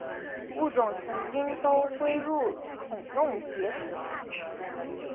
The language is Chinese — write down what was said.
物种曾经都归入孔弄蝶属。